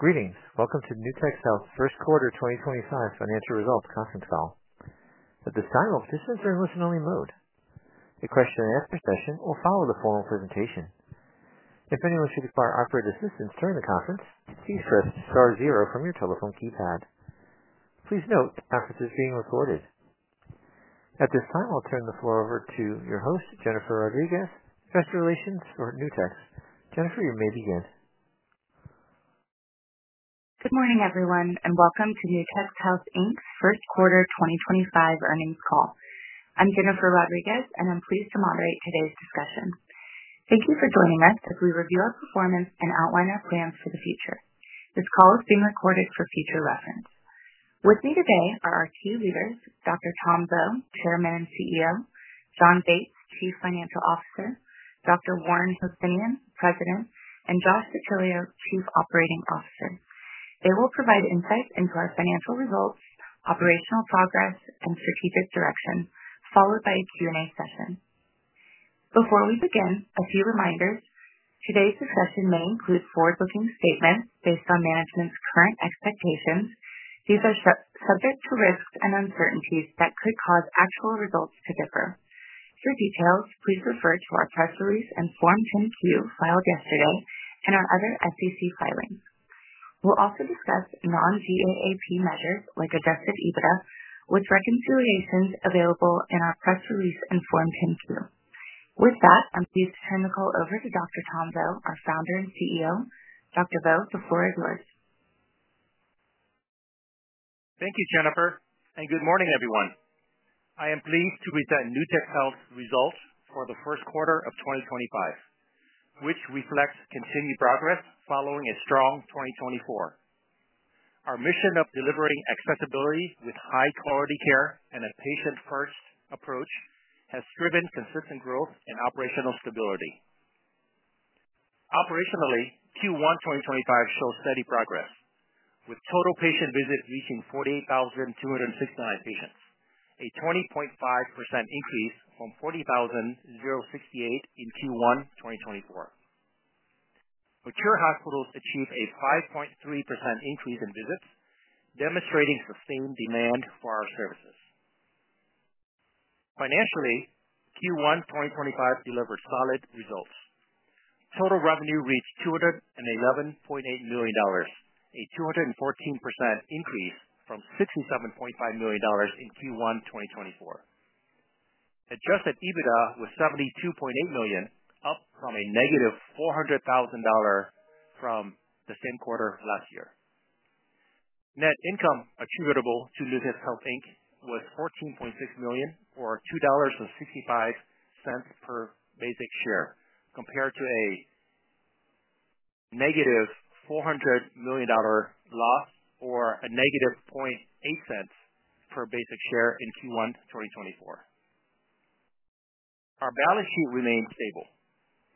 Greetings. Welcome to Nutex Health's first quarter 2025 financial results conference call. At this time, all participants are in listen-only mode. A question-and-answer session will follow the formal presentation. If anyone should require operator assistance during the conference, please press star zero from your telephone keypad. Please note the conference is being recorded. At this time, I'll turn the floor over to your host, Jennifer Rodriguez, Investor Relations for Nutex. Jennifer, you may begin. Good morning, everyone, and welcome to Nutex Health's first quarter 2025 earnings call. I'm Jennifer Rodriguez, and I'm pleased to moderate today's discussion. Thank you for joining us as we review our performance and outline our plans for the future. This call is being recorded for future reference. With me today are our key leaders, Dr. Tom Vo, Chairman and CEO; Jon Bates, Chief Financial Officer; Dr. Warren Hosseinion, President; and Josh DeTillio, Chief Operating Officer. They will provide insights into our financial results, operational progress, and strategic direction, followed by a Q&A session. Before we begin, a few reminders. Today's discussion may include forward-looking statements based on management's current expectations. These are subject to risks and uncertainties that could cause actual results to differ. For details, please refer to our press release and Form 10Q filed yesterday and our other SEC filings. We'll also discuss non-GAAP measures like adjusted EBITDA, with reconciliations available in our press release and Form 10Q. With that, I'm pleased to turn the call over to Dr. Tom Vo, our Founder and CEO. Dr. Vo, the floor is yours. Thank you, Jennifer, and good morning, everyone. I am pleased to present Nutex Health's results for the first quarter of 2025, which reflect continued progress following a strong 2024. Our mission of delivering accessibility with high-quality care and a patient-first approach has driven consistent growth and operational stability. Operationally, Q1 2025 shows steady progress, with total patient visits reaching 48,269 patients, a 20.5% increase from 40,068 in Q1 2024. Mature hospitals achieved a 5.3% increase in visits, demonstrating sustained demand for our services. Financially, Q1 2025 delivered solid results. Total revenue reached $211.8 million, a 214% increase from $67.5 million in Q1 2024. Adjusted EBITDA was $72.8 million, up from a negative $400,000 from the same quarter last year. Net income attributable to Nutex Health. was $14.6 million, or $2.65 per basic share, compared to a negative $400 million loss or a negative $0.008 per basic share in Q1 2024. Our balance sheet remained stable,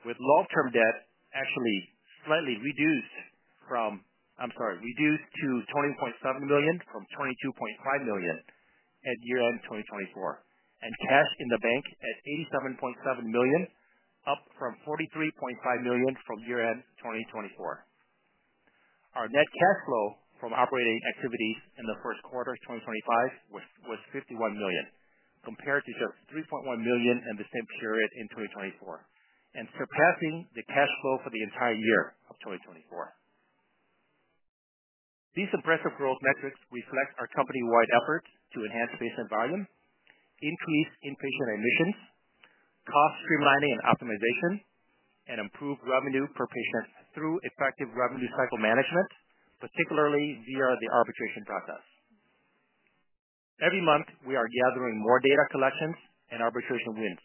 with long-term debt actually slightly reduced to $20.7 million from $22.5 million at year-end 2024, and cash in the bank at $87.7 million, up from $43.5 million from year-end 2024. Our net cash flow from operating activities in the first quarter of 2025 was $51 million, compared to just $3.1 million in the same period in 2024, and surpassing the cash flow for the entire year of 2024. These impressive growth metrics reflect our company-wide efforts to enhance patient volume, increase inpatient admissions, cost streamlining and optimization, and improve revenue per patient through effective revenue cycle management, particularly via the arbitration process. Every month, we are gathering more data collections and arbitration wins,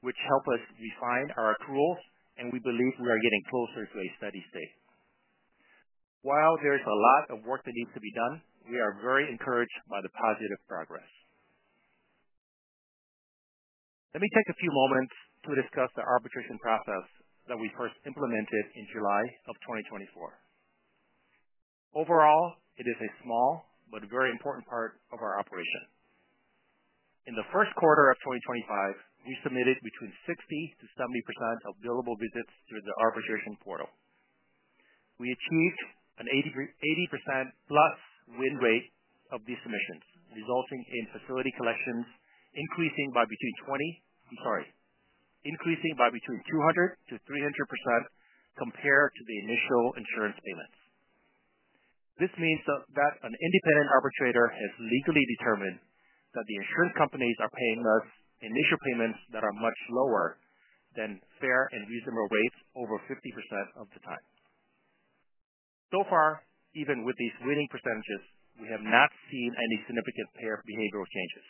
which help us refine our tools, and we believe we are getting closer to a steady state. While there's a lot of work that needs to be done, we are very encouraged by the positive progress. Let me take a few moments to discuss the arbitration process that we first implemented in July of 2024. Overall, it is a small but very important part of our operation. In the first quarter of 2025, we submitted between 60%-70% of billable visits through the arbitration portal. We achieved an 80% plus win rate of these submissions, resulting in facility collections increasing by between 200%-300% compared to the initial insurance payments. This means that an independent arbitrator has legally determined that the insurance companies are paying us initial payments that are much lower than fair and reasonable rates over 50% of the time. So far, even with these winning percentages, we have not seen any significant behavioral changes.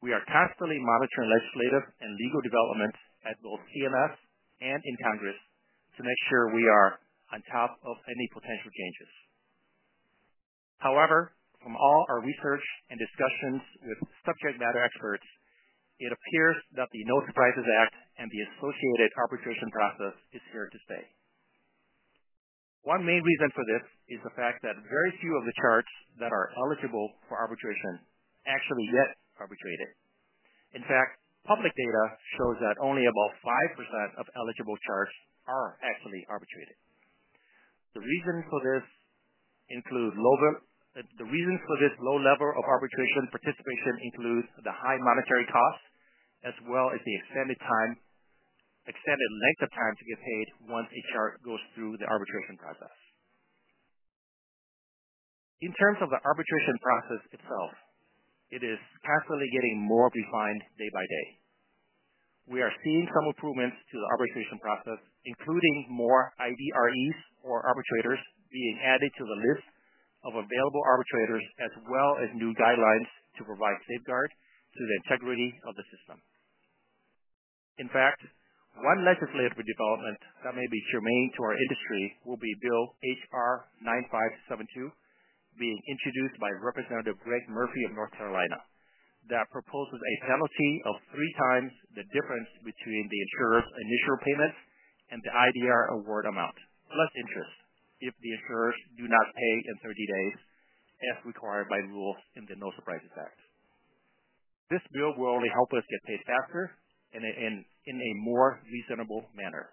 We are constantly monitoring legislative and legal developments at both CNS and in Congress to make sure we are on top of any potential changes. However, from all our research and discussions with subject matter experts, it appears that the No Surprises Act and the associated arbitration process is here to stay. One main reason for this is the fact that very few of the charts that are eligible for arbitration actually get arbitrated. In fact, public data shows that only about 5% of eligible charts are actually arbitrated. The reasons for this include the reasons for this low level of arbitration participation include the high monetary costs, as well as the extended length of time to get paid once a chart goes through the arbitration process. In terms of the arbitration process itself, it is constantly getting more refined day by day. We are seeing some improvements to the arbitration process, including more IDREs or arbitrators being added to the list of available arbitrators, as well as new guidelines to provide safeguard to the integrity of the system. In fact, one legislative development that may be germane to our industry will be Bill HR 9572, being introduced by Representative Greg Murphy of North Carolina, that proposes a penalty of three times the difference between the insurer's initial payments and the IDR award amount, plus interest if the insurers do not pay in 30 days, as required by rules in the No Surprises Act. This bill will only help us get paid faster and in a more reasonable manner.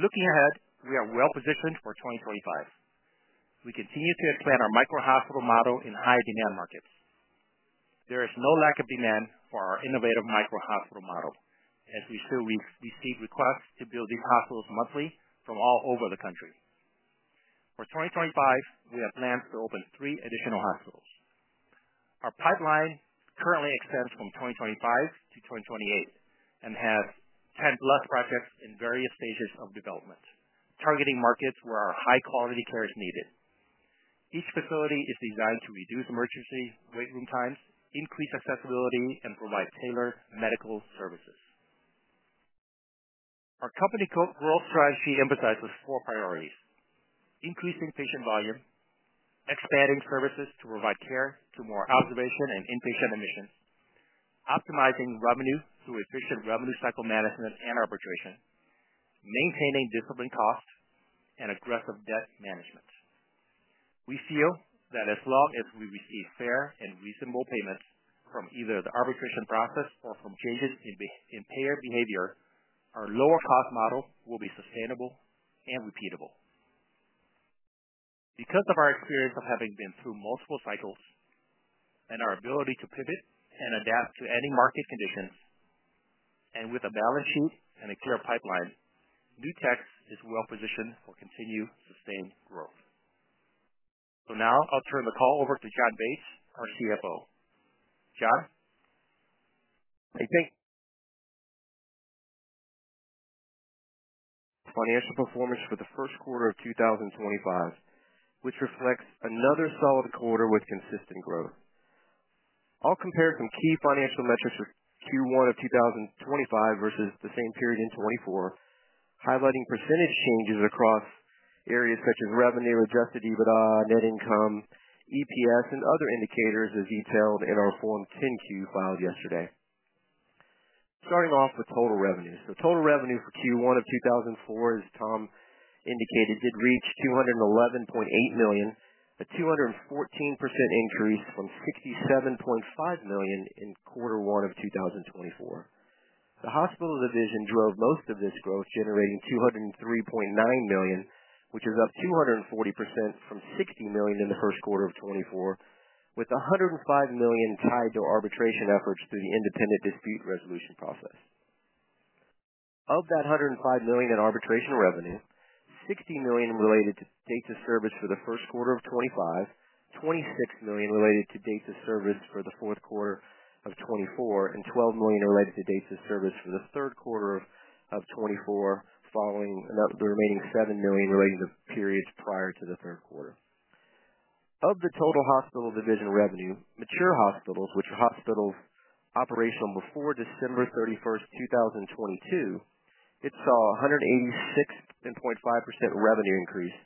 Looking ahead, we are well positioned for 2025. We continue to expand our micro-hospital model in high-demand markets. There is no lack of demand for our innovative micro-hospital model, as we still receive requests to build these hospitals monthly from all over the country. For 2025, we have plans to open three additional hospitals. Our pipeline currently extends from 2025 to 2028 and has 10-plus projects in various stages of development, targeting markets where our high-quality care is needed. Each facility is designed to reduce emergency wait room times, increase accessibility, and provide tailored medical services. Our company growth strategy emphasizes four priorities: increasing patient volume, expanding services to provide care to more observation and inpatient admissions, optimizing revenue through efficient revenue cycle management and arbitration, maintaining disciplined costs, and aggressive debt management. We feel that as long as we receive fair and reasonable payments from either the arbitration process or from changes in payer behavior, our lower-cost model will be sustainable and repeatable. Because of our experience of having been through multiple cycles and our ability to pivot and adapt to any market conditions, and with a balance sheet and a clear pipeline, Nutex is well positioned for continued sustained growth. Now I'll turn the call over to Jon Bates, our CFO. Jon? I think. Financial performance for the first quarter of 2025, which reflects another solid quarter with consistent growth. I'll compare some key financial metrics for Q1 of 2025 versus the same period in 2024, highlighting percentage changes across areas such as revenue, adjusted EBITDA, net income, EPS, and other indicators as detailed in our Form 10Q filed yesterday. Starting off with total revenue. Total revenue for Q1 of 2024, as Tom indicated, did reach $211.8 million, a 214% increase from $67.5 million in quarter one of 2024. The hospital division drove most of this growth, generating $203.9 million, which is up 240% from $60 million in the first quarter of 2024, with $105 million tied to arbitration efforts through the independent dispute resolution process. Of that $105 million in arbitration revenue, $60 million related to dates of service for the first quarter of 2025, $26 million related to dates of service for the fourth quarter of 2024, and $12 million related to dates of service for the third quarter of 2024, following the remaining $7 million relating to periods prior to the third quarter. Of the total hospital division revenue, mature hospitals, which are hospitals operational before December 31st, 2022, it saw a 186.5% revenue increase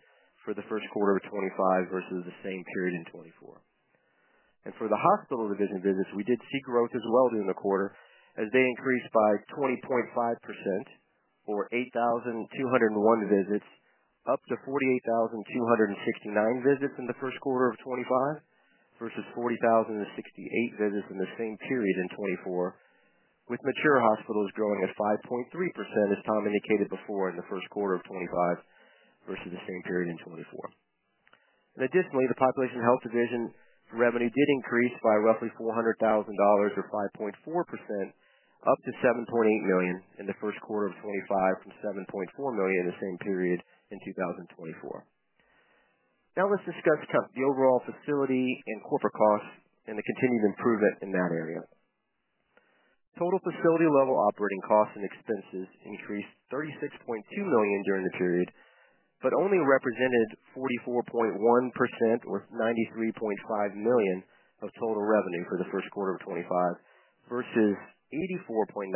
for the first quarter of 2025 versus the same period in 2024. For the hospital division visits, we did see growth as well during the quarter, as they increased by 20.5%, or 8,201 visits, up to 48,269 visits in the first quarter of 2025 versus 40,068 visits in the same period in 2024, with mature hospitals growing at 5.3%, as Tom indicated before, in the first quarter of 2025 versus the same period in 2024. Additionally, the population health division revenue did increase by roughly $400,000, or 5.4%, up to $7.8 million in the first quarter of 2025 from $7.4 million in the same period in 2024. Now let's discuss the overall facility and corporate costs and the continued improvement in that area. Total facility-level operating costs and expenses increased $36.2 million during the period, but only represented 44.1%, or $93.5 million of total revenue for the first quarter of 2025, versus 84.9%,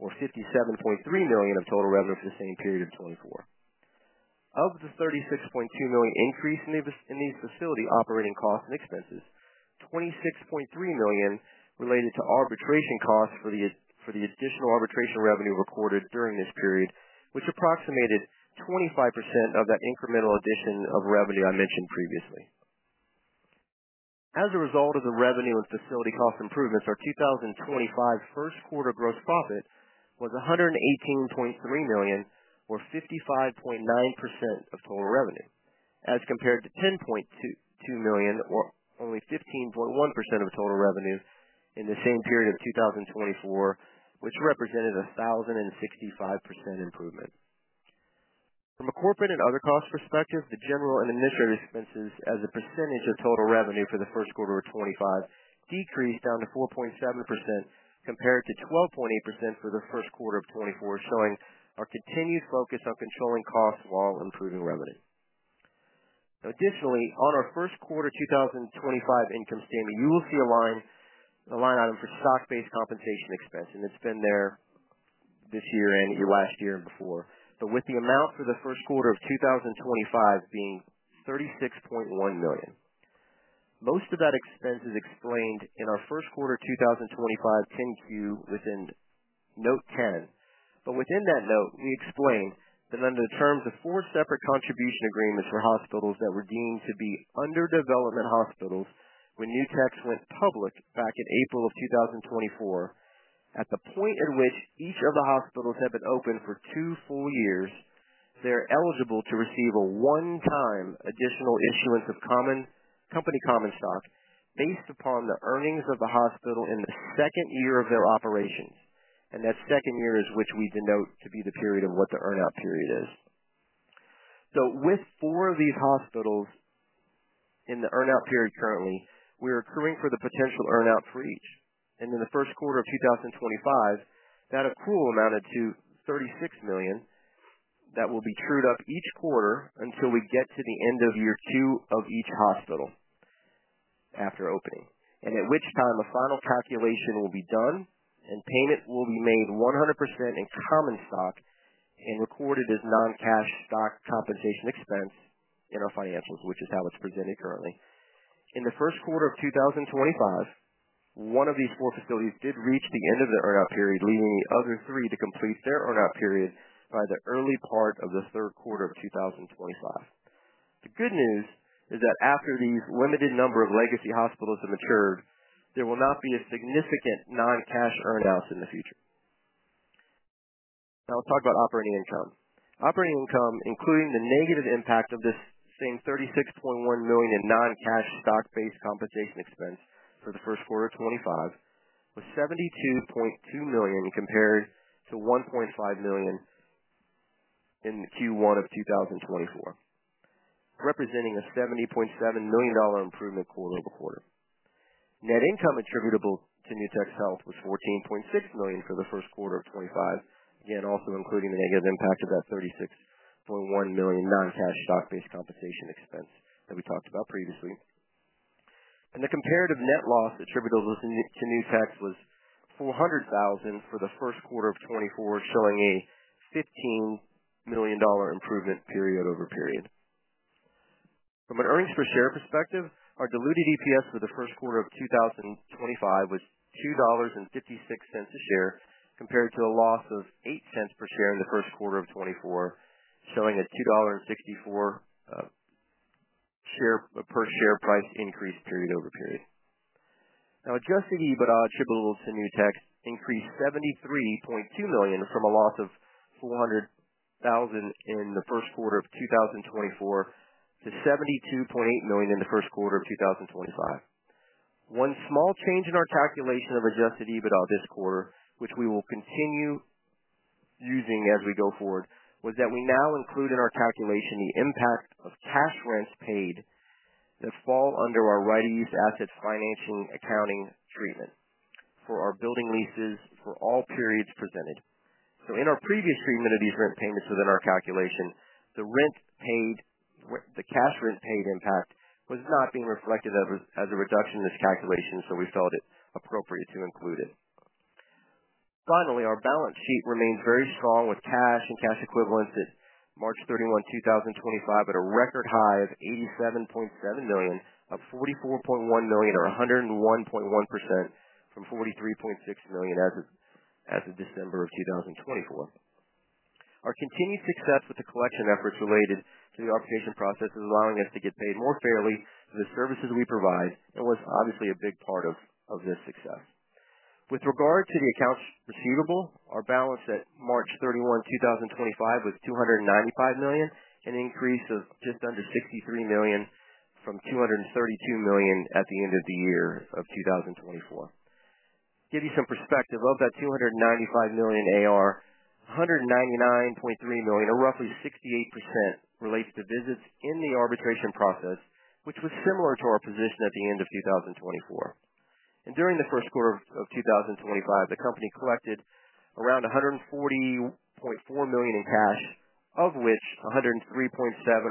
or $57.3 million of total revenue for the same period of 2024. Of the $36.2 million increase in these facility operating costs and expenses, $26.3 million related to arbitration costs for the additional arbitration revenue recorded during this period, which approximated 25% of that incremental addition of revenue I mentioned previously. As a result of the revenue and facility cost improvements, our 2025 first quarter gross profit was $118.3 million, or 55.9% of total revenue, as compared to $10.2 million, or only 15.1% of total revenue in the same period of 2024, which represented a 1,065% improvement. From a corporate and other cost perspective, the general and administrative expenses, as a percentage of total revenue for the first quarter of 2025, decreased down to 4.7% compared to 12.8% for the first quarter of 2024, showing our continued focus on controlling costs while improving revenue. Additionally, on our first quarter 2025 income statement, you will see a line item for stock-based compensation expense, and it's been there this year and last year and before, but with the amount for the first quarter of 2025 being $36.1 million. Most of that expense is explained in our first quarter 2025 10Q within Note 10, but within that note, we explain that under the terms of four separate contribution agreements for hospitals that were deemed to be underdevelopment hospitals when Nutex went public back in April of 2024, at the point at which each of the hospitals had been open for two full years, they are eligible to receive a one-time additional issuance of company common stock based upon the earnings of the hospital in the second year of their operations, and that second year is which we denote to be the period of what the earn-out period is. With four of these hospitals in the earn-out period currently, we are accruing for the potential earn-out for each. In the first quarter of 2025, that accrual amounted to $36 million that will be trued up each quarter until we get to the end of year two of each hospital after opening, and at which time a final calculation will be done and payment will be made 100% in common stock and recorded as non-cash stock compensation expense in our financials, which is how it is presented currently. In the first quarter of 2025, one of these four facilities did reach the end of the earn-out period, leaving the other three to complete their earn-out period by the early part of the third quarter of 2025. The good news is that after these limited number of legacy hospitals have matured, there will not be significant non-cash earn-outs in the future. Now let's talk about operating income. Operating income, including the negative impact of this same $36.1 million in non-cash stock-based compensation expense for the first quarter of 2025, was $72.2 million compared to $1.5 million in Q1 of 2024, representing a $70.7 million improvement quarter over quarter. Net income attributable to Nutex Health was $14.6 million for the first quarter of 2025, again also including the negative impact of that $36.1 million non-cash stock-based compensation expense that we talked about previously. The comparative net loss attributable to Nutex was $400,000 for the first quarter of 2024, showing a $15 million improvement period over period. From an earnings per share perspective, our diluted EPS for the first quarter of 2025 was $2.56 a share compared to a loss of $0.08 per share in the first quarter of 2024, showing a $2.64 per share price increase period over period. Now, adjusted EBITDA attributable to Nutex increased $73.2 million from a loss of $400,000 in the first quarter of 2024 to $72.8 million in the first quarter of 2025. One small change in our calculation of adjusted EBITDA this quarter, which we will continue using as we go forward, was that we now include in our calculation the impact of cash rents paid that fall under our right-of-use asset financing accounting treatment for our building leases for all periods presented. In our previous treatment of these rent payments within our calculation, the rent paid, the cash rent paid impact was not being reflected as a reduction in this calculation, so we felt it appropriate to include it. Finally, our balance sheet remains very strong with cash and cash equivalents at March 31, 2025, at a record high of $87.7 million, up $44.1 million, or 101.1%, from $43.6 million as of December of 2024. Our continued success with the collection efforts related to the arbitration process is allowing us to get paid more fairly for the services we provide, and was obviously a big part of this success. With regard to the accounts receivable, our balance at March 31, 2025, was $295 million, an increase of just under $63 million from $232 million at the end of the year of 2024. To give you some perspective of that $295 million AR, $199.3 million, or roughly 68%, relates to visits in the arbitration process, which was similar to our position at the end of 2024. During the first quarter of 2025, the company collected around $140.4 million in cash, of which $103.7 million,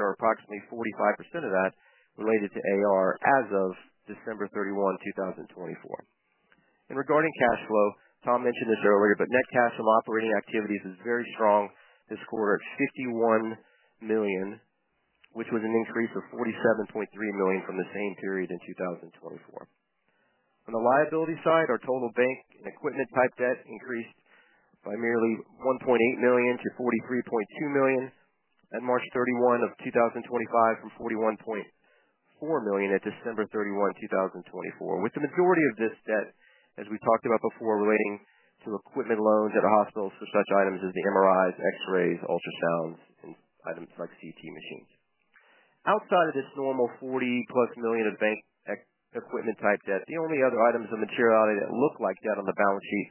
or approximately 45% of that, related to AR as of December 31, 2024. Regarding cash flow, Tom mentioned this earlier, but net cash from operating activities is very strong this quarter at $51 million, which was an increase of $47.3 million from the same period in 2024. On the liability side, our total bank and equipment type debt increased by merely $1.8 million to $43.2 million at March 31, 2025 from $41.4 million at December 31, 2024, with the majority of this debt, as we talked about before, relating to equipment loans at our hospitals for such items as the MRIs, X-rays, ultrasounds, and items like CT machines. Outside of this normal $40-plus million of bank equipment type debt, the only other items of materiality that look like debt on the balance sheet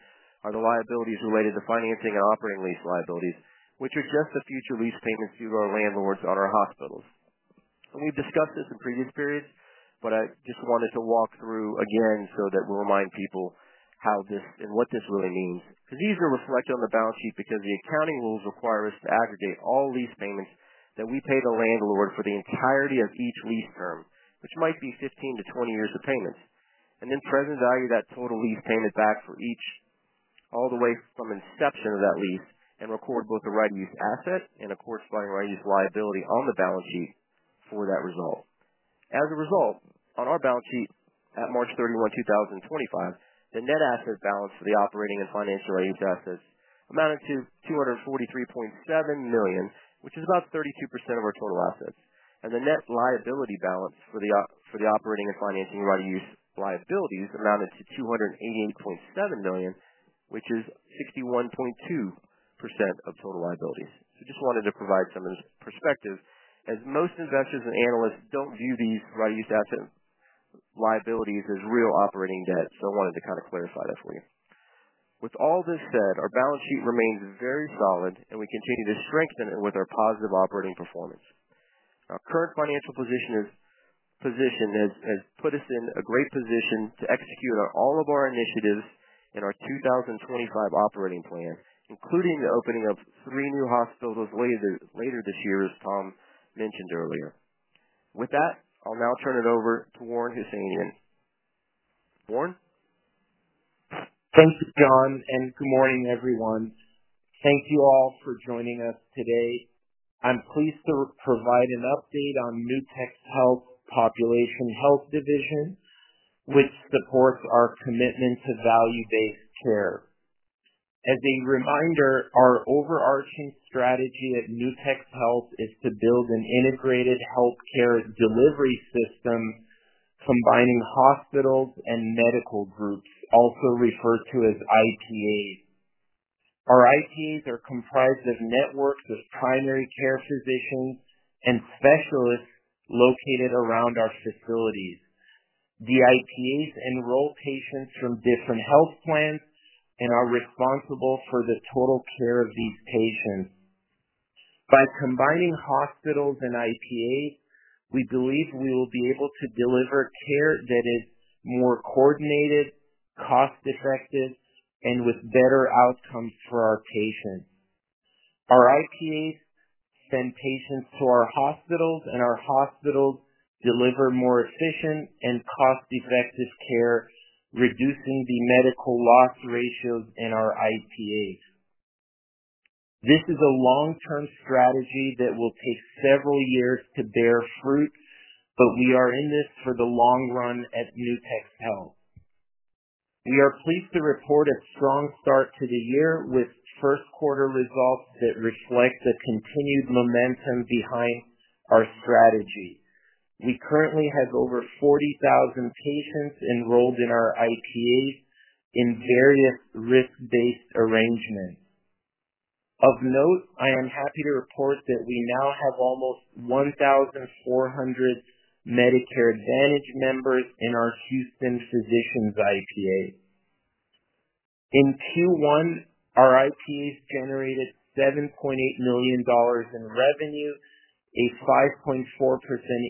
are the liabilities related to financing and operating lease liabilities, which are just the future lease payments due to our landlords on our hospitals. We have discussed this in previous periods, but I just wanted to walk through again so that we remind people how this and what this really means, because these are reflected on the balance sheet because the accounting rules require us to aggregate all lease payments that we pay the landlord for the entirety of each lease term, which might be 15 to 20 years of payments, and then present value that total lease payment back for each all the way from inception of that lease and record both the right-of-use asset and a corresponding right-of-use liability on the balance sheet for that result. As a result, on our balance sheet at March 31, 2025, the net asset balance for the operating and financial right-of-use assets amounted to $243.7 million, which is about 32% of our total assets. The net liability balance for the operating and financing right-of-use liabilities amounted to $288.7 million, which is 61.2% of total liabilities. I just wanted to provide some of this perspective, as most investors and analysts do not view these right-of-use asset liabilities as real operating debt, so I wanted to kind of clarify that for you. With all this said, our balance sheet remains very solid, and we continue to strengthen it with our positive operating performance. Our current financial position has put us in a great position to execute on all of our initiatives in our 2025 operating plan, including the opening of three new hospitals later this year, as Tom mentioned earlier. With that, I'll now turn it over to Warren Hosseinion. Warren? Thank you, Jon, and good morning, everyone. Thank you all for joining us today. I'm pleased to provide an update on Nutex Health population health division, which supports our commitment to value-based care. As a reminder, our overarching strategy at Nutex Health is to build an integrated healthcare delivery system combining hospitals and medical groups, also referred to as IPAs. Our IPAs are comprised of networks of primary care physicians and specialists located around our facilities. The IPAs enroll patients from different health plans and are responsible for the total care of these patients. By combining hospitals and IPAs, we believe we will be able to deliver care that is more coordinated, cost-effective, and with better outcomes for our patients. Our IPAs send patients to our hospitals, and our hospitals deliver more efficient and cost-effective care, reducing the medical loss ratios in our IPAs. This is a long-term strategy that will take several years to bear fruit, but we are in this for the long run at Nutex Health. We are pleased to report a strong start to the year with first quarter results that reflect the continued momentum behind our strategy. We currently have over 40,000 patients enrolled in our IPAs in various risk-based arrangements. Of note, I am happy to report that we now have almost 1,400 Medicare Advantage members in our Houston Physicians IPA. In Q1, our IPAs generated $7.8 million in revenue, a 5.4%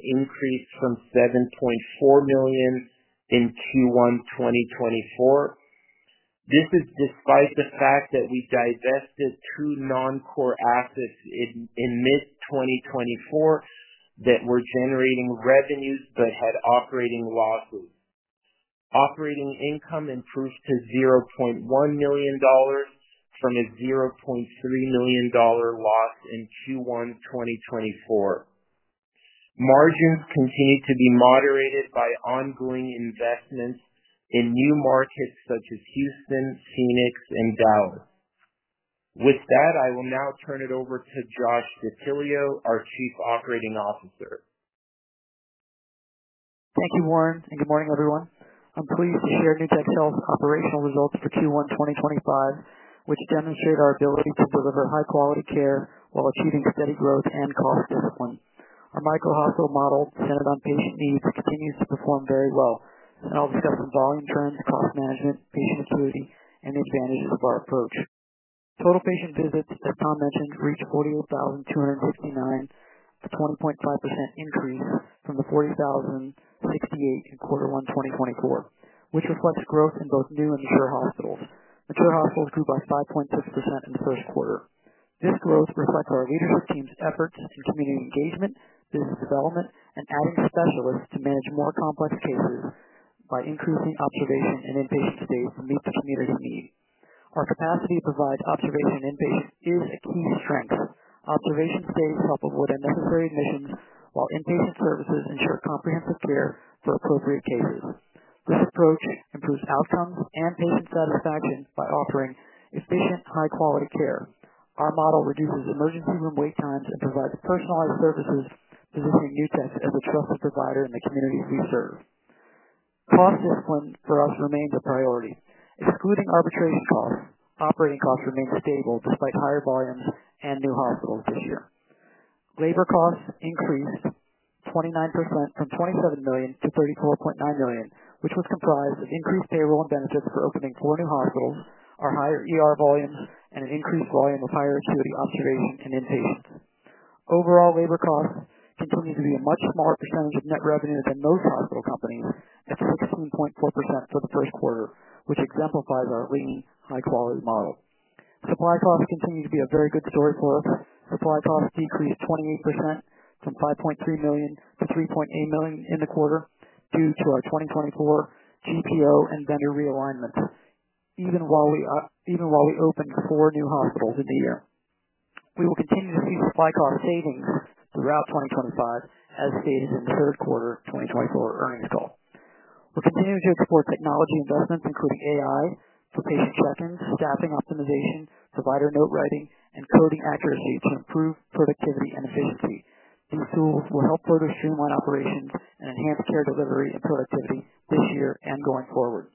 increase from $7.4 million in Q1 2024. This is despite the fact that we divested two non-core assets in mid-2024 that were generating revenues but had operating losses. Operating income improved to $0.1 million from a $0.3 million loss in Q1 2024. Margins continue to be moderated by ongoing investments in new markets such as Houston, Phoenix, and Dallas. With that, I will now turn it over to Josh DeTillio, our Chief Operating Officer. Thank you, Warren, and good morning, everyone. I'm pleased to share Nutex Health's operational results for Q1 2025, which demonstrate our ability to deliver high-quality care while achieving steady growth and cost discipline. Our micro-hospital model, centered on patient needs, continues to perform very well, and I'll discuss some volume trends, cost management, patient acuity, and the advantages of our approach. Total patient visits, as Tom mentioned, reached 48,269, a 20.5% increase from the 40,068 in Quarter 1, 2024, which reflects growth in both new and mature hospitals. Mature hospitals grew by 5.6% in the first quarter. This growth reflects our leadership team's efforts in community engagement, business development, and adding specialists to manage more complex cases by increasing observation and inpatient stays to meet the community need. Our capacity to provide observation and inpatient is a key strength. Observation stays help avoid unnecessary admissions, while inpatient services ensure comprehensive care for appropriate cases. This approach improves outcomes and patient satisfaction by offering efficient, high-quality care. Our model reduces emergency room wait times and provides personalized services, positioning Nutex as a trusted provider in the communities we serve. Cost discipline for us remains a priority. Excluding arbitration costs, operating costs remain stable despite higher volumes and new hospitals this year. Labor costs increased 29% from $27 million to $34.9 million, which was comprised of increased payroll and benefits for opening four new hospitals, our higher volumes, and an increased volume of higher acuity observation and inpatients. Overall, labor costs continue to be a much smaller percentage of net revenue than most hospital companies, at 16.4% for the first quarter, which exemplifies our lean, high-quality model. Supply costs continue to be a very good story for us. Supply costs decreased 28% from $5.3 million to $3.8 million in the quarter due to our 2024 GPO and vendor realignment, even while we opened four new hospitals in the year. We will continue to see supply cost savings throughout 2025, as stated in the third quarter 2024 earnings call. We're continuing to explore technology investments, including AI for patient check-ins, staffing optimization, provider note writing, and coding accuracy to improve productivity and efficiency. These tools will help further streamline operations and enhance care delivery and productivity this year and going forward.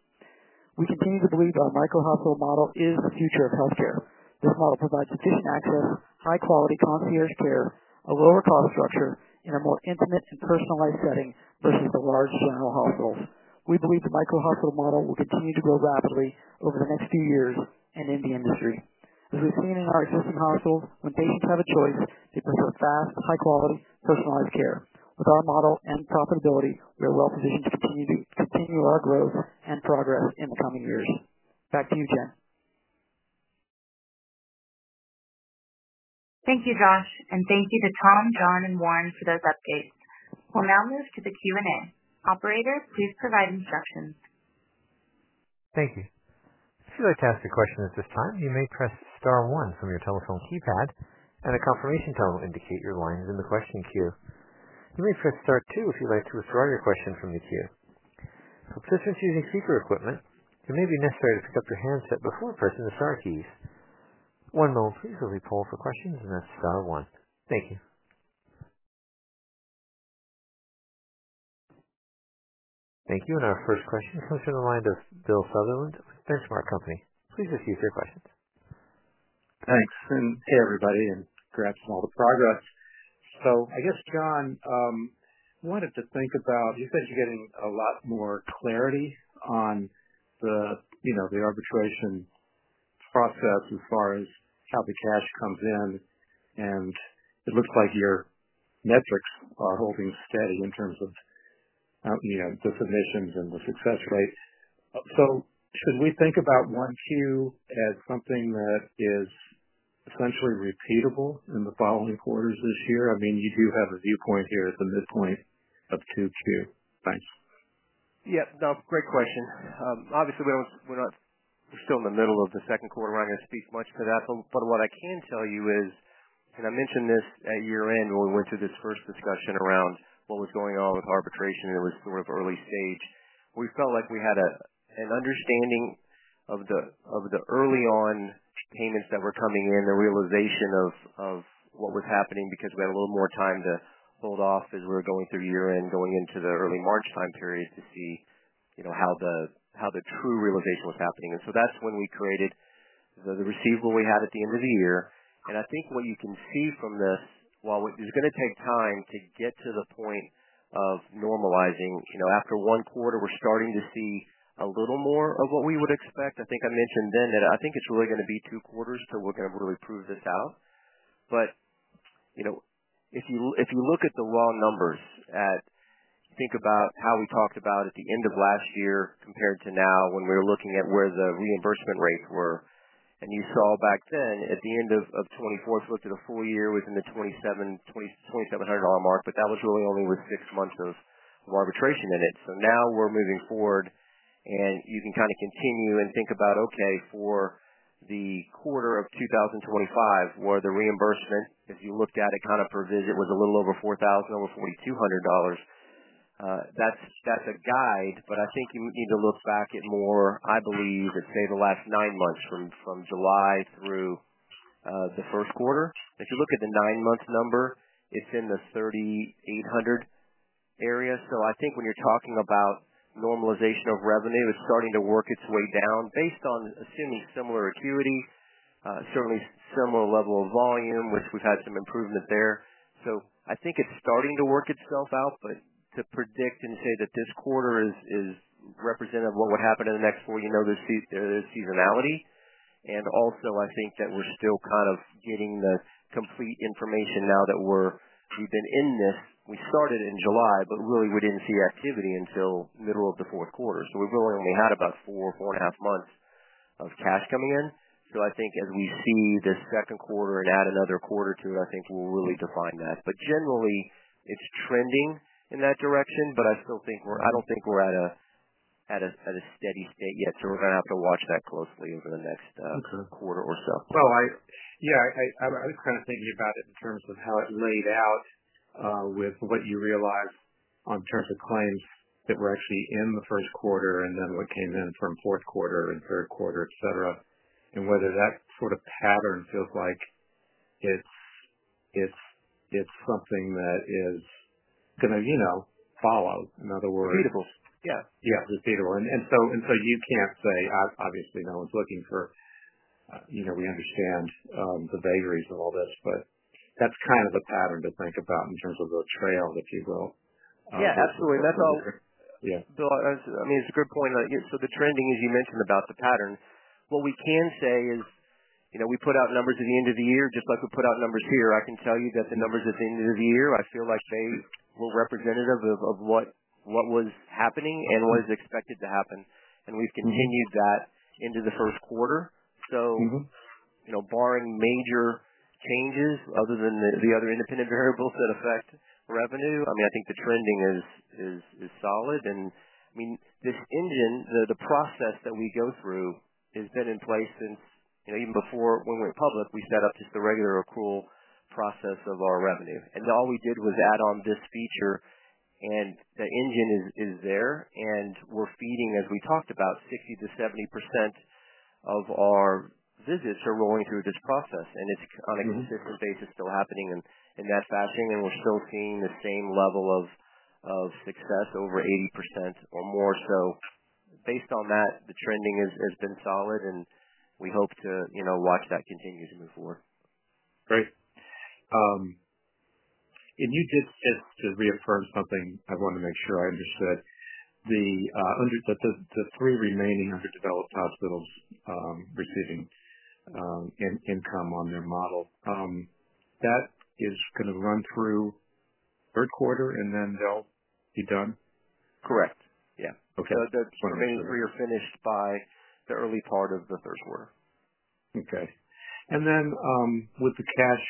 We continue to believe our micro-hospital model is the future of healthcare. This model provides efficient access, high-quality concierge care, a lower-cost structure in a more intimate and personalized setting versus the large general hospitals. We believe the micro-hospital model will continue to grow rapidly over the next few years and in the industry. As we've seen in our existing hospitals, when patients have a choice, they prefer fast, high-quality, personalized care. With our model and profitability, we are well-positioned to continue our growth and progress in the coming years. Back to you, Jen. Thank you, Josh, and thank you to Tom, Jon, and Warren for those updates. We'll now move to the Q&A. Operator, please provide instructions. Thank you. If you'd like to ask a question at this time, you may press Star 1 from your telephone keypad, and a confirmation tone will indicate your line is in the question queue. You may press Star 2 if you'd like to withdraw your question from the queue. For participants using speaker equipment, it may be necessary to pick up your handset before pressing the Star keys. One moment, please. We'll be polling for questions, and that's Star 1. Thank you. Thank you. Our first question comes from the line of Bill Sutherland with The Benchmark Company. Please just use your questions. Thanks. Hey, everybody, and congrats on all the progress. I guess, Jon, I wanted to think about you said you're getting a lot more clarity on the arbitration process as far as how the cash comes in, and it looks like your metrics are holding steady in terms of the submissions and the success rate. Should we think about Q1 as something that is essentially repeatable in the following quarters this year? I mean, you do have a viewpoint here at the midpoint of 2Q. Thanks. Yeah. No, great question. Obviously, we're still in the middle of the second quarter. We're not going to speak much to that. What I can tell you is, and I mentioned this at year-end when we went through this first discussion around what was going on with arbitration, and it was sort of early stage. We felt like we had an understanding of the early-on payments that were coming in, the realization of what was happening because we had a little more time to hold off as we were going through year-end, going into the early March time period to see how the true realization was happening. That is when we created the receivable we had at the end of the year. I think what you can see from this, while it's going to take time to get to the point of normalizing, after one quarter, we're starting to see a little more of what we would expect. I think I mentioned then that I think it's really going to be two quarters till we're going to really prove this out. If you look at the raw numbers and think about how we talked about at the end of last year compared to now when we were looking at where the reimbursement rates were. You saw back then, at the end of 2024, if you looked at a full year, it was in the $2,700 mark, but that was really only with six months of arbitration in it. Now we're moving forward, and you can kind of continue and think about, okay, for the quarter of 2025, where the reimbursement, if you looked at it kind of per visit, was a little over $4,000, over $4,200. That's a guide, but I think you need to look back at more, I believe, let's say the last nine months from July through the first quarter. If you look at the nine-month number, it's in the $3,800 area. I think when you're talking about normalization of revenue, it's starting to work its way down based on assuming similar acuity, certainly similar level of volume, which we've had some improvement there. I think it's starting to work itself out, but to predict and say that this quarter is representative of what would happen in the next four, there's seasonality. I think that we're still kind of getting the complete information now that we've been in this. We started in July, but really we didn't see activity until middle of the fourth quarter. We've really only had about four, four and a half months of cash coming in. I think as we see the second quarter and add another quarter to it, we'll really define that. Generally, it's trending in that direction, but I still think we're not at a steady state yet. We're going to have to watch that closely over the next quarter or so. Yeah, I was kind of thinking about it in terms of how it laid out with what you realized in terms of claims that were actually in the first quarter and then what came in from fourth quarter and third quarter, etc., and whether that sort of pattern feels like it's something that is going to follow, in other words. Repeatable. Yeah. Yeah, repeatable. And you can't say, obviously, no one's looking for—we understand the vagaries of all this, but that's kind of a pattern to think about in terms of the trail, if you will. Yeah, absolutely. That's all. Yeah. I mean, it's a good point. The trending, as you mentioned about the pattern, what we can say is we put out numbers at the end of the year, just like we put out numbers here. I can tell you that the numbers at the end of the year, I feel like they were representative of what was happening and what is expected to happen. We've continued that into the first quarter. Barring major changes other than the other independent variables that affect revenue, I think the trending is solid. I mean, this engine, the process that we go through, has been in place since even before when we went public. We set up just the regular accrual process of our revenue. All we did was add on this feature, and the engine is there, and we're feeding, as we talked about, 60%-70% of our visits are rolling through this process. It's on a consistent basis still happening in that fashion, and we're still seeing the same level of success, over 80% or more. Based on that, the trending has been solid, and we hope to watch that continue to move forward. Great. Just to reaffirm something, I want to make sure I understood, the three remaining underdeveloped hospitals receiving income on their model, that is going to run through third quarter, and then they'll be done? Correct. Yeah. Okay. That's what I'm assuming. They're mainly rear-faced by the early part of the third quarter. Okay. With the cash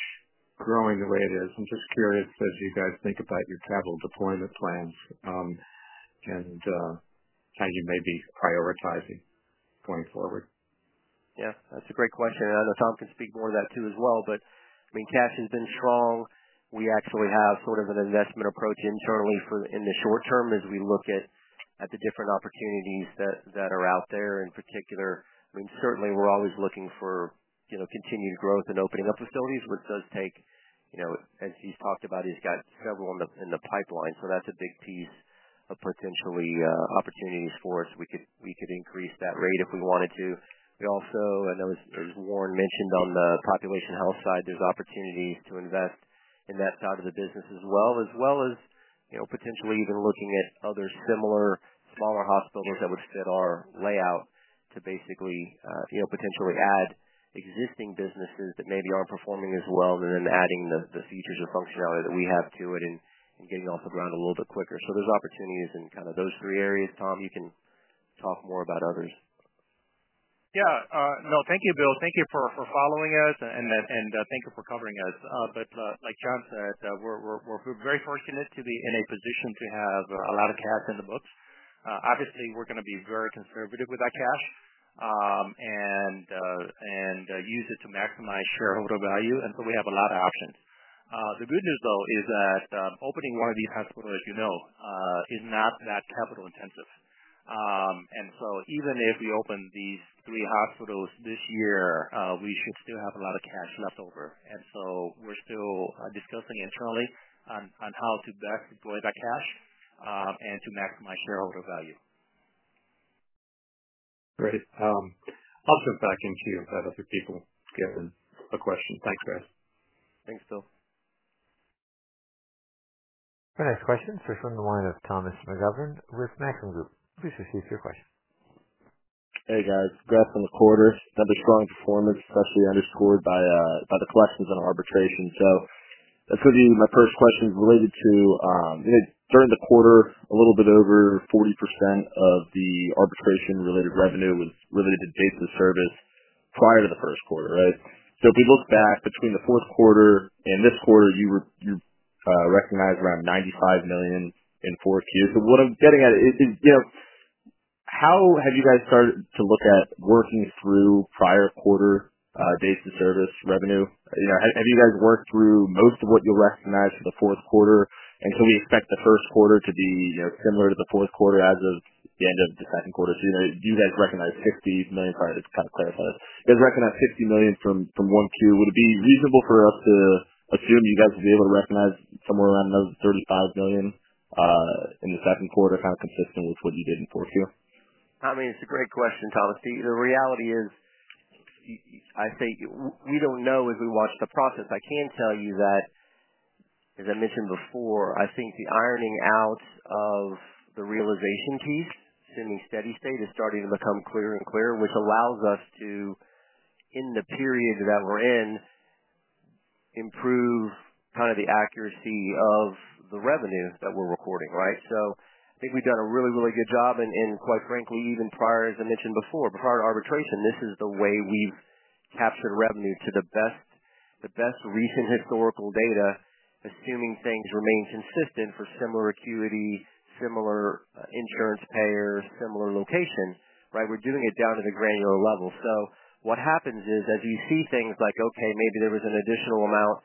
growing the way it is, I'm just curious as you guys think about your capital deployment plans and how you may be prioritizing going forward. Yeah. That's a great question. I know Tom can speak more to that too as well. I mean, cash has been strong. We actually have sort of an investment approach internally in the short term as we look at the different opportunities that are out there. In particular, I mean, certainly, we're always looking for continued growth and opening up facilities, which does take, as he's talked about, he's got several in the pipeline. That's a big piece of potentially opportunities for us. We could increase that rate if we wanted to. I know as Warren mentioned on the population health side, there's opportunities to invest in that side of the business as well, as well as potentially even looking at other similar smaller hospitals that would fit our layout to basically potentially add existing businesses that maybe aren't performing as well and then adding the features of functionality that we have to it and getting off the ground a little bit quicker. There's opportunities in kind of those three areas. Tom, you can talk more about others. Yeah. No, thank you, Bill. Thank you for following us, and thank you for covering us. Like Jon said, we're very fortunate to be in a position to have a lot of cash in the books. Obviously, we're going to be very conservative with our cash and use it to maximize shareholder value. We have a lot of options. The good news, though, is that opening one of these hospitals, as you know, is not that capital-intensive. Even if we open these three hospitals this year, we should still have a lot of cash left over. We're still discussing internally on how to best deploy that cash and to maximize shareholder value. Great. I'll jump back in too if I have other people get a question. Thanks, guys. Thanks, Bill. Our next question is from the line of Thomas McGovern with Maxim Group. Please proceed to your question. Hey, guys. Congrats on the quarter. Another strong performance, especially underscored by the collections and arbitration. That's going to be my first question related to during the quarter, a little bit over 40% of the arbitration-related revenue was related to data service prior to the first quarter, right? If we look back between the fourth quarter and this quarter, you recognized around $95 million in 4Qs. What I'm getting at is, how have you guys started to look at working through prior quarter data service revenue? Have you guys worked through most of what you'll recognize for the fourth quarter? Can we expect the first quarter to be similar to the fourth quarter as of the end of the second quarter? You guys recognized $60 million prior to, kind of clarify this. You guys recognized $60 million from 1Q. Would it be reasonable for us to assume you guys would be able to recognize somewhere around another $35 million in the second quarter, kind of consistent with what you did in 4Q? I mean, it's a great question, Thomas. The reality is, I think we don't know as we watch the process. I can tell you that, as I mentioned before, I think the ironing out of the realization piece, assuming steady state, is starting to become clearer and clearer, which allows us to, in the period that we're in, improve kind of the accuracy of the revenue that we're recording, right? I think we've done a really, really good job. Quite frankly, even prior, as I mentioned before, prior to arbitration, this is the way we've captured revenue to the best recent historical data, assuming things remain consistent for similar acuity, similar insurance payer, similar location, right? We're doing it down to the granular level. What happens is, as you see things like, okay, maybe there was an additional amount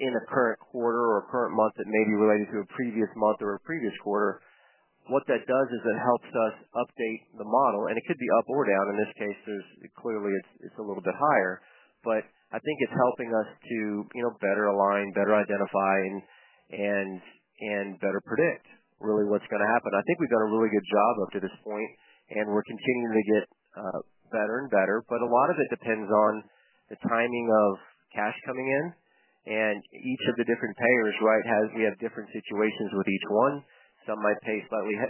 in a current quarter or current month that may be related to a previous month or a previous quarter, what that does is it helps us update the model. It could be up or down. In this case, clearly, it's a little bit higher. I think it's helping us to better align, better identify, and better predict really what's going to happen. I think we've done a really good job up to this point, and we're continuing to get better and better. A lot of it depends on the timing of cash coming in. Each of the different payers, right, we have different situations with each one. Some might pay slightly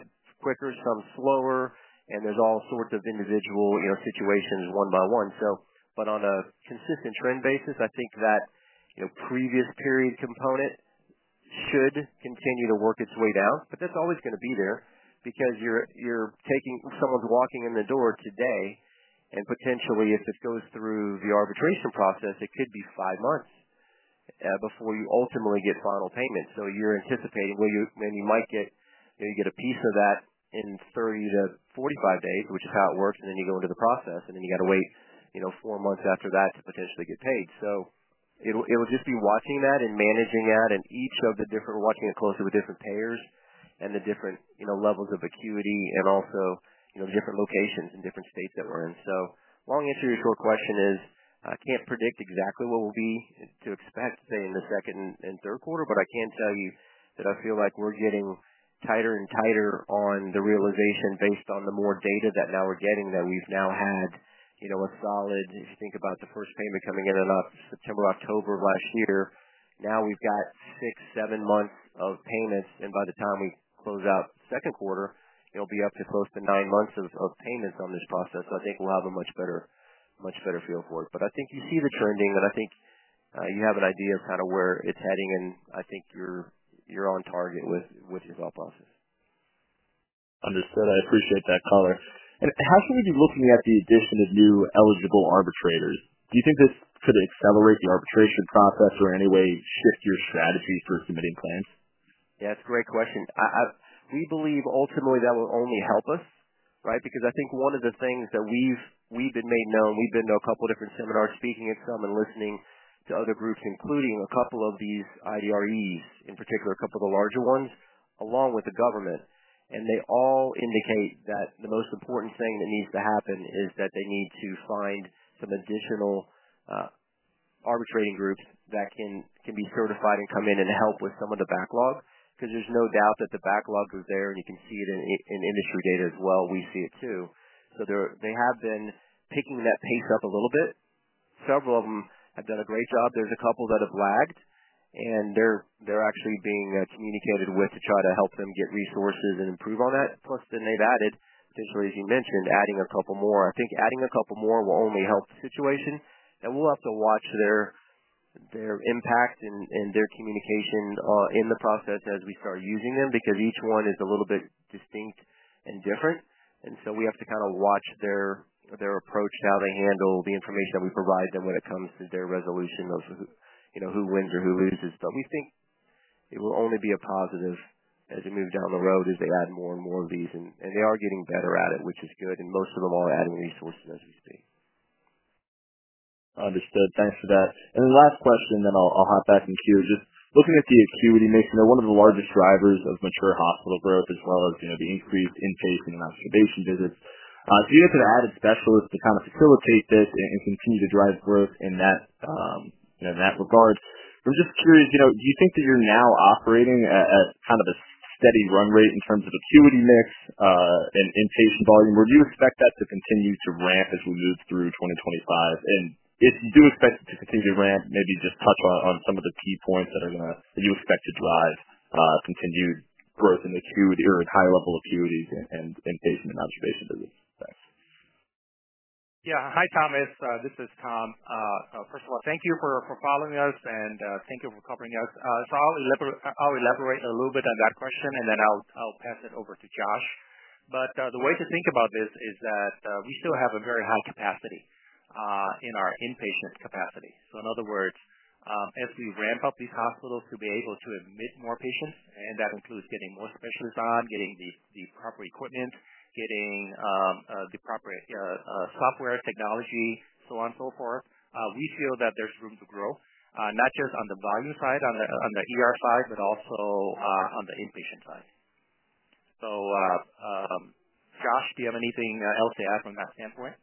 quicker, some slower, and there are all sorts of individual situations one by one. On a consistent trend basis, I think that previous period component should continue to work its way down. That is always going to be there because you are taking someone who is walking in the door today, and potentially, if it goes through the arbitration process, it could be five months before you ultimately get final payment. You are anticipating, well, you might get a piece of that in 30-45 days, which is how it works. Then you go into the process, and you have to wait four months after that to potentially get paid. It'll just be watching that and managing that and each of the different watching it closely with different payers and the different levels of acuity and also the different locations and different states that we're in. Long answer to your short question is, I can't predict exactly what we'll be to expect, say, in the second and third quarter, but I can tell you that I feel like we're getting tighter and tighter on the realization based on the more data that now we're getting that we've now had a solid if you think about the first payment coming in in September, October of last year, now we've got six, seven months of payments. By the time we close out second quarter, it'll be up to close to nine months of payments on this process. I think we'll have a much better feel for it. I think you see the trending, and I think you have an idea of kind of where it's heading, and I think you're on target with your thought process. Understood. I appreciate that, Color. How should we be looking at the addition of new eligible arbitrators? Do you think this could accelerate the arbitration process or in any way shift your strategy for submitting plans? Yeah, that's a great question. We believe ultimately that will only help us, right? Because I think one of the things that we've been made known, we've been to a couple of different seminars speaking at some and listening to other groups, including a couple of these IDREs, in particular, a couple of the larger ones along with the government. They all indicate that the most important thing that needs to happen is that they need to find some additional arbitrating groups that can be certified and come in and help with some of the backlog because there is no doubt that the backlog is there, and you can see it in industry data as well. We see it too. They have been picking that pace up a little bit. Several of them have done a great job. There are a couple that have lagged, and they are actually being communicated with to try to help them get resources and improve on that. Plus, they have added, potentially, as you mentioned, adding a couple more. I think adding a couple more will only help the situation. We will have to watch their impact and their communication in the process as we start using them because each one is a little bit distinct and different. We have to kind of watch their approach to how they handle the information that we provide them when it comes to their resolution of who wins or who loses. We think it will only be a positive as we move down the road as they add more and more of these. They are getting better at it, which is good. Most of them are adding resources as we speak. Understood. Thanks for that. Last question, then I'll hop back in queue. Just looking at the acuity, making one of the largest drivers of mature hospital growth as well as the increase in patient and observation visits. You guys have added specialists to kind of facilitate this and continue to drive growth in that regard. I'm just curious, do you think that you're now operating at kind of a steady run rate in terms of acuity mix and inpatient volume? Would you expect that to continue to ramp as we move through 2025? If you do expect it to continue to ramp, maybe just touch on some of the key points that you expect to drive continued growth in acuity or high-level acuities and inpatient and observation visits. Thanks. Yeah. Hi, Thomas. This is Tom. First of all, thank you for following us, and thank you for covering us. I'll elaborate a little bit on that question, and then I'll pass it over to Josh. The way to think about this is that we still have a very high capacity in our inpatient capacity. In other words, as we ramp up these hospitals to be able to admit more patients, and that includes getting more specialists on, getting the proper equipment, getting the proper software technology, so on and so forth, we feel that there's room to grow, not just on the volume side, but also on the inpatient side. Josh, do you have anything else to add from that standpoint?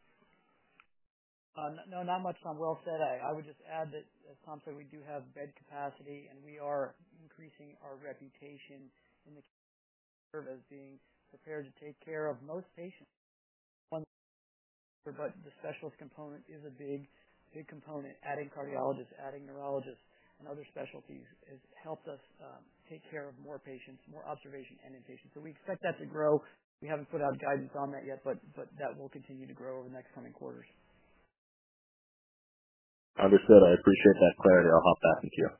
No, not much on what I've said. I would just add that, as Tom said, we do have bed capacity, and we are increasing our reputation in the care as being prepared to take care of most patients. The specialist component is a big component. Adding cardiologists, adding neurologists, and other specialties has helped us take care of more patients, more observation and inpatient. So we expect that to grow. We have not put out guidance on that yet, but that will continue to grow over the next coming quarters. Understood. I appreciate that clarity. I will hop back in queue.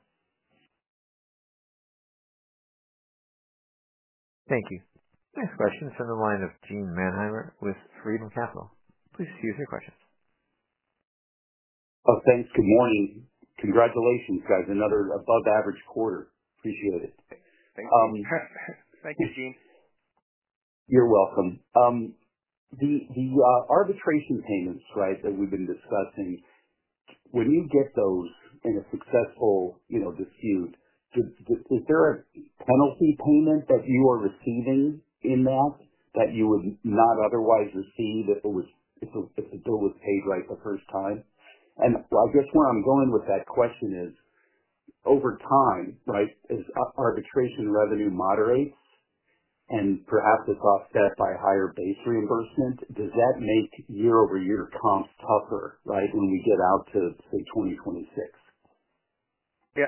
Thank you. Next question is from the line of Gene Manheimer with Freedom Capital. Please use your questions. Thanks. Good morning. Congratulations, guys. Another above-average quarter. Appreciate it. Thank you. Thank you, Gene. You are welcome. The arbitration payments, right, that we have been discussing, when you get those in a successful dispute, is there a penalty payment that you are receiving in that that you would not otherwise receive if the bill was paid right the first time? I guess where I'm going with that question is, over time, right, as arbitration revenue moderates and perhaps it's offset by higher base reimbursement, does that make year-over-year comps tougher, right, when we get out to, say, 2026? Yeah.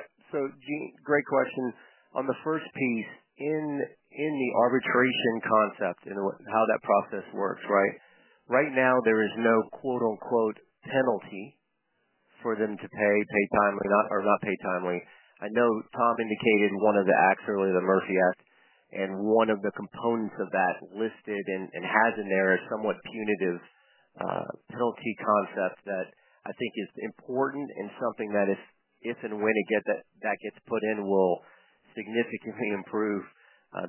Gene, great question. On the first piece, in the arbitration concept and how that process works, right now there is no "penalty" for them to pay timely or not pay timely. I know Tom indicated one of the acts earlier, the Murphy Act, and one of the components of that listed and has in there a somewhat punitive penalty concept that I think is important and something that if and when that gets put in will significantly improve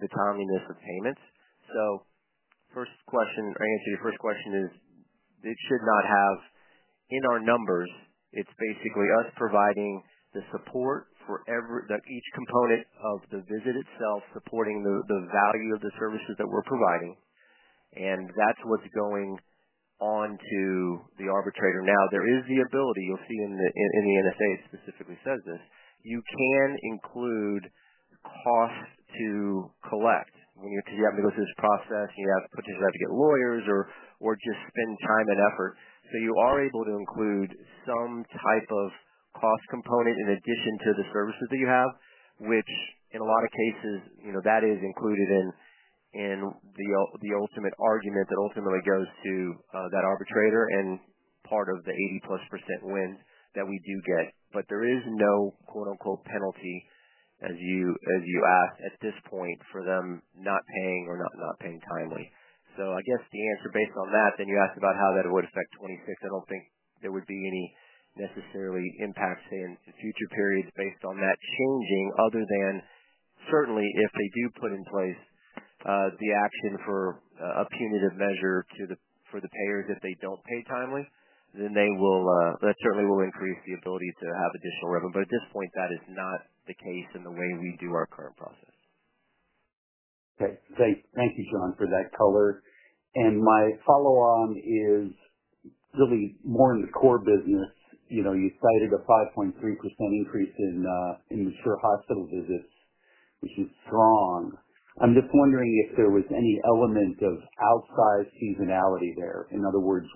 the timeliness of payments. First question, or answer to your first question is it should not have in our numbers. It's basically us providing the support for each component of the visit itself, supporting the value of the services that we're providing. That's what's going on to the arbitrator now. There is the ability, you'll see in the NSA specifically says this, you can include cost to collect because you have to go through this process, and you potentially have to get lawyers or just spend time and effort. You are able to include some type of cost component in addition to the services that you have, which in a lot of cases, that is included in the ultimate argument that ultimately goes to that arbitrator and part of the 80%+ win that we do get. There is no "penalty," as you asked at this point, for them not paying or not paying timely. I guess the answer based on that, then you asked about how that would affect 2026, I do not think there would be any necessarily impact, say, in future periods based on that changing other than certainly if they do put in place the action for a punitive measure for the payers if they do not pay timely, then that certainly will increase the ability to have additional revenue. At this point, that is not the case in the way we do our current process. Okay. Thank you, Jon, for that color. My follow-on is really more in the core business. You cited a 5.3% increase in mature hospital visits, which is strong. I am just wondering if there was any element of outsized seasonality there. In other words,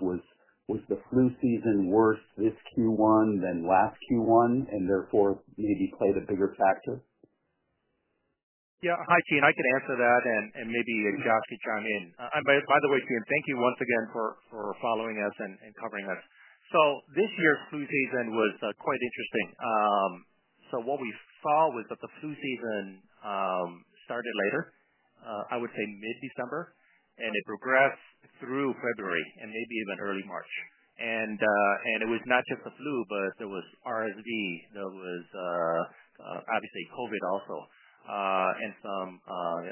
was the flu season worse this Q1 than last Q1 and therefore maybe played a bigger factor? Yeah. Hi, Gene. I can answer that and maybe Josh can chime in. By the way, Gene, thank you once again for following us and covering us. This year's flu season was quite interesting. What we saw was that the flu season started later, I would say mid-December, and it progressed through February and maybe even early March. It was not just the flu, but there was RSV. There was obviously COVID also and some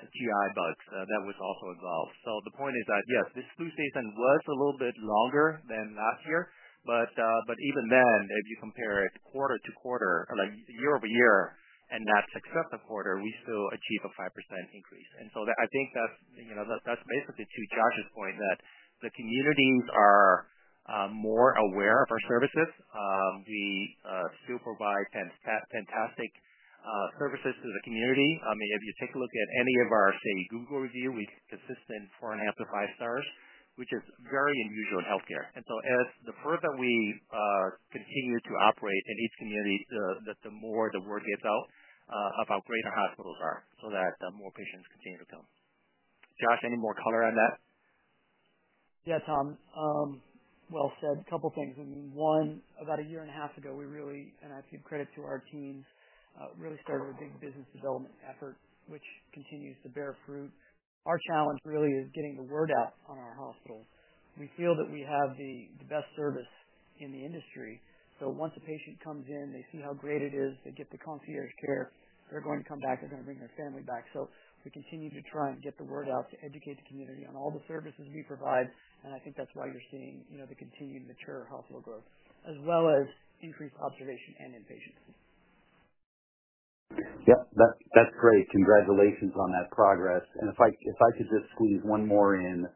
GI bugs that were also involved. The point is that, yes, this flu season was a little bit longer than last year. Even then, if you compare it quarter to quarter, year over year, and that successive quarter, we still achieve a 5% increase. I think that is basically to Josh's point that the communities are more aware of our services. We still provide fantastic services to the community. I mean, if you take a look at any of our, say, Google review, we have consistent four and a half to five stars, which is very unusual in healthcare. As the further we continue to operate in each community, the more the word gets out of how great our hospitals are so that more patients continue to come. Josh, any more color on that? Yeah, Tom. Well said. A couple of things. One, about a year and a half ago, we really—and I give credit to our team—really started a big business development effort, which continues to bear fruit. Our challenge really is getting the word out on our hospitals. We feel that we have the best service in the industry. Once a patient comes in, they see how great it is, they get the concierge care, they're going to come back, they're going to bring their family back. We continue to try and get the word out to educate the community on all the services we provide. I think that's why you're seeing the continued mature hospital growth, as well as increased observation and inpatient. Yep. That's great. Congratulations on that progress. If I could just squeeze one more in,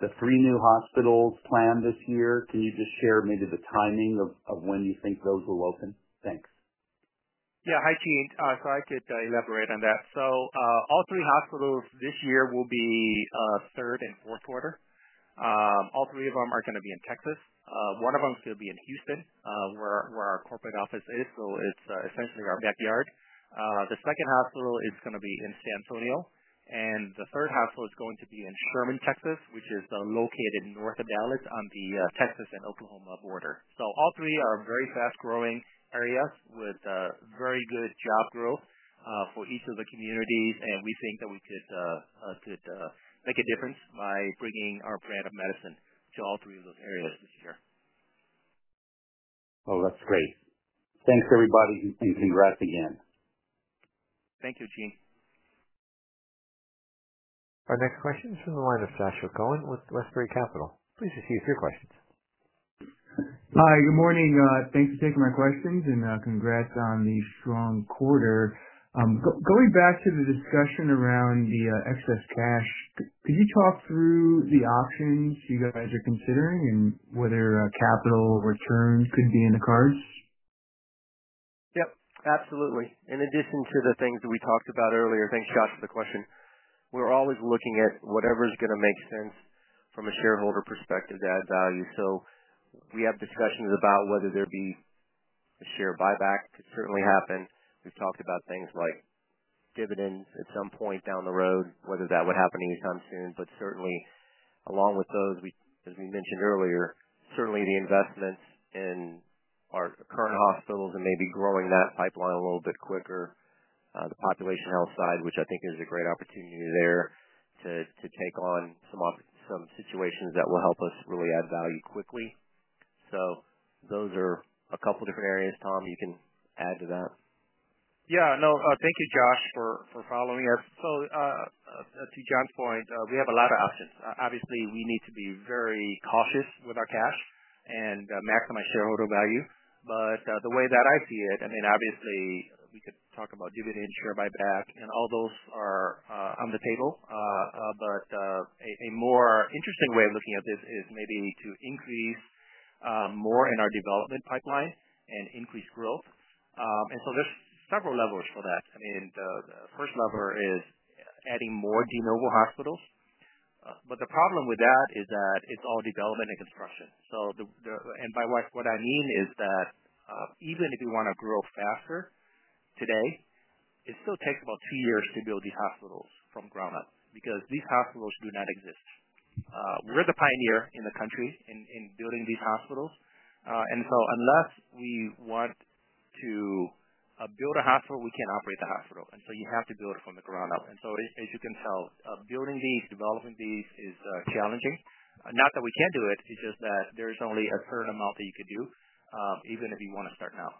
the three new hospitals planned this year, can you just share maybe the timing of when you think those will open? Thanks. Yeah. Hi, Gene. I could elaborate on that. All three hospitals this year will be third and fourth quarter. All three of them are going to be in Texas. One of them is going to be in Houston, where our corporate office is. It is essentially our backyard. The second hospital is going to be in San Antonio. The third hospital is going to be in Sherman, Texas, which is located north of Dallas on the Texas and Oklahoma border. All three are very fast-growing areas with very good job growth for each of the communities. We think that we could make a difference by bringing our brand of medicine to all three of those areas this year. Oh, that's great. Thanks, everybody, and congrats again. Thank you, Gene. Our next question is from the line of Joshua Cohen with Westbury Capital. Please proceed with your questions. Hi. Good morning. Thanks for taking my questions and congrats on the strong quarter. Going back to the discussion around the excess cash, could you talk through the options you guys are considering and whether capital returns could be in the cards? Yep. Absolutely. In addition to the things that we talked about earlier—thanks, Josh, for the question—we're always looking at whatever is going to make sense from a shareholder perspective to add value. We have discussions about whether there be a share buyback could certainly happen. We've talked about things like dividends at some point down the road, whether that would happen anytime soon. Certainly, along with those, as we mentioned earlier, certainly the investments in our current hospitals and maybe growing that pipeline a little bit quicker, the population health side, which I think is a great opportunity there to take on some situations that will help us really add value quickly. Those are a couple of different areas. Tom, you can add to that. Yeah. No, thank you, Josh, for following us. To Jon's point, we have a lot of options. Obviously, we need to be very cautious with our cash and maximize shareholder value. The way that I see it, I mean, obviously, we could talk about dividends, share buyback, and all those are on the table. A more interesting way of looking at this is maybe to increase more in our development pipeline and increase growth. There are several levels for that. I mean, the first lever is adding more de novo hospitals. The problem with that is that it is all development and construction. By what I mean is that even if you want to grow faster today, it still takes about two years to build these hospitals from ground up because these hospitals do not exist. We're the pioneer in the country in building these hospitals. Unless we want to build a hospital, we can't operate the hospital. You have to build it from the ground up. As you can tell, building these, developing these is challenging. Not that we can't do it, it's just that there's only a certain amount that you could do, even if you want to start now.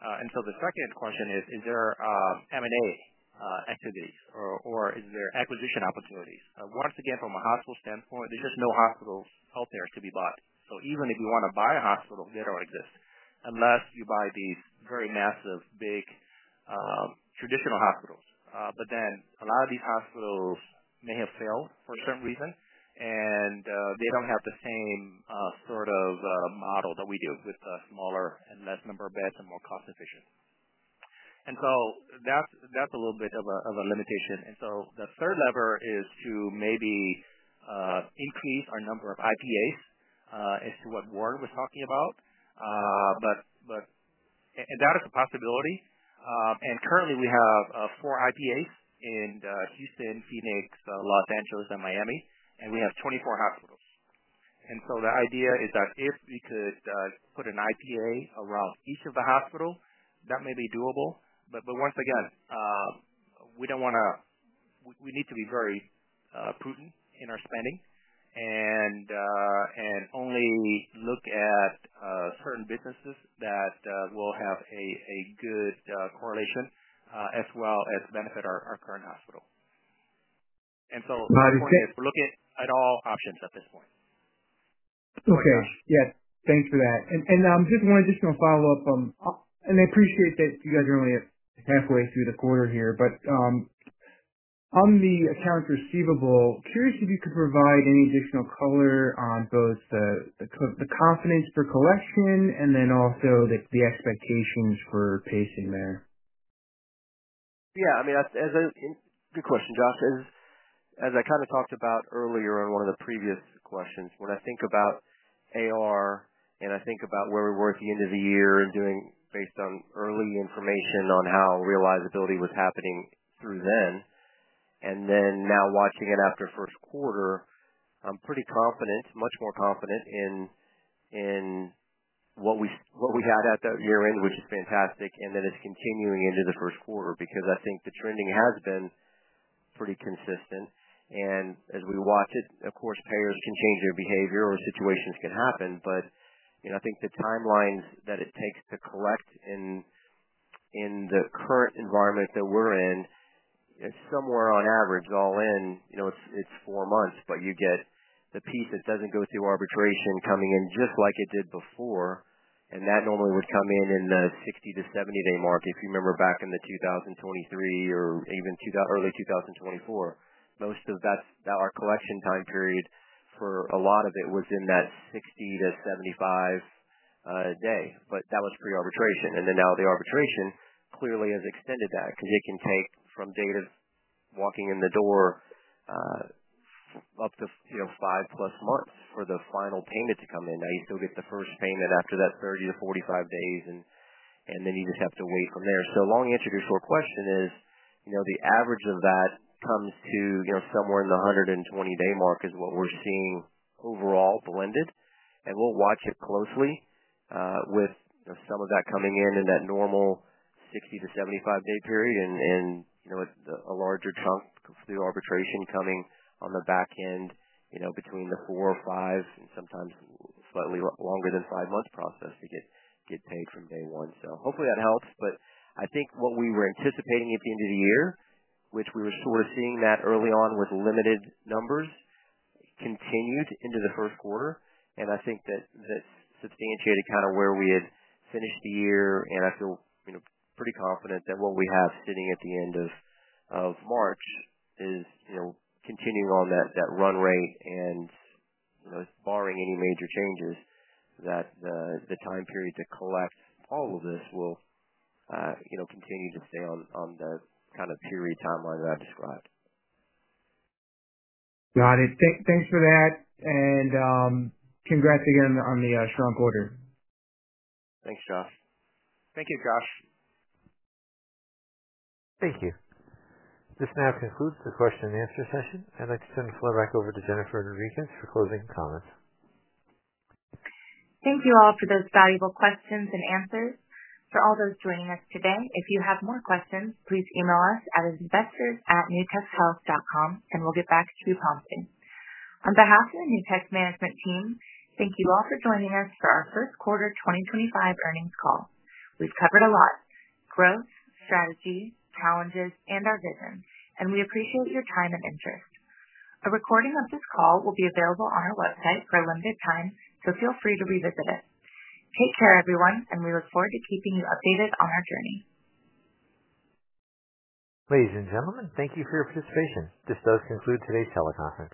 The second question is, is there M&A activities, or is there acquisition opportunities? Once again, from a hospital standpoint, there's just no hospitals out there to be bought. Even if you want to buy a hospital, they don't exist unless you buy these very massive, big traditional hospitals. A lot of these hospitals may have failed for some reason, and they do not have the same sort of model that we do with smaller and less number of beds and more cost-efficient. That is a little bit of a limitation. The third lever is to maybe increase our number of IPAs as to what Warren was talking about. That is a possibility. Currently, we have four IPAs in Houston, Phoenix, Los Angeles, and Miami, and we have 24 hospitals. The idea is that if we could put an IPA around each of the hospitals, that may be doable. Once again, we do not want to—we need to be very prudent in our spending and only look at certain businesses that will have a good correlation as well as benefit our current hospital. At this point, we're looking at all options at this point. Okay. Yeah. Thanks for that. Just one additional follow-up. I appreciate that you guys are only halfway through the quarter here. On the accounts receivable, curious if you could provide any additional color on both the confidence for collection and then also the expectations for pacing there. Yeah. I mean, good question, Josh. As I kind of talked about earlier on one of the previous questions, when I think about AR and I think about where we were at the end of the year and doing based on early information on how realizability was happening through then and then now watching it after first quarter, I'm pretty confident, much more confident in what we had at that year-end, which is fantastic, and that it's continuing into the first quarter because I think the trending has been pretty consistent. As we watch it, of course, payers can change their behavior or situations can happen. I think the timelines that it takes to collect in the current environment that we're in, somewhere on average, all in, it's four months, but you get the piece that doesn't go through arbitration coming in just like it did before. That normally would come in in the 60-70 day mark. If you remember back in 2023 or even early 2024, most of our collection time period for a lot of it was in that 60-75 day. That was pre-arbitration. Now the arbitration clearly has extended that because it can take from day of walking in the door up to five-plus months for the final payment to come in. You still get the first payment after that 30-45 days, and then you just have to wait from there. Long answer to your short question is the average of that comes to somewhere in the 120-day mark is what we're seeing overall blended. We will watch it closely with some of that coming in in that normal 60-75 day period and a larger chunk through arbitration coming on the back end between the four, five, and sometimes slightly longer than five month process to get paid from day one. Hopefully, that helps. I think what we were anticipating at the end of the year, which we were sort of seeing that early on with limited numbers, continued into the first quarter. I think that is substantiated, kind of where we had finished the year. I feel pretty confident that what we have sitting at the end of March is continuing on that run rate and, barring any major changes, that the time period to collect all of this will continue to stay on the kind of period timeline that I have described. Got it. Thanks for that. And congrats again on the strong quarter. Thanks, Josh. Thank you, Josh. Thank you. This now concludes the question-and-answer session. I'd like to turn the floor back over to Jennifer Rodriguez for closing comments. Thank you all for those valuable questions and answers. For all those joining us today, if you have more questions, please email us at investors@nutexhealth.com, and we'll get back to you promptly. On behalf of the Nutex Management Team, thank you all for joining us for our first quarter 2025 earnings call. We've covered a lot: growth, strategy, challenges, and our vision. We appreciate your time and interest. A recording of this call will be available on our website for a limited time, so feel free to revisit it. Take care, everyone, and we look forward to keeping you updated on our journey. Ladies and gentlemen, thank you for your participation. This does conclude today's teleconference.